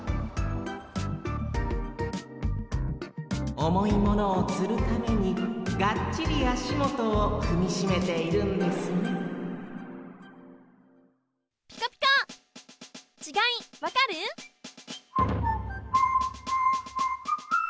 おもいものをつるためにがっちりあしもとをふみしめているんですねピコピコ！